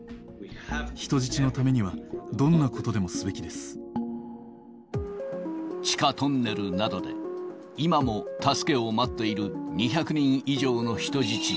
人質のためにはどんなことでもす地下トンネルなどで、今も助けを待っている２００人以上の人質。